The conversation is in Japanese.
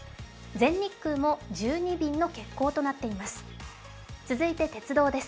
全日空も１２便の欠航となっています。